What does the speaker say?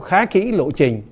khá kỹ lộ trình